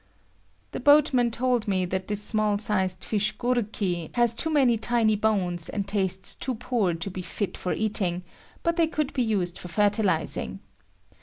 The boatman told me that this small sized fish goruki has too many tiny bones and tastes too poor to be fit for eating, but they could be used for fertilising.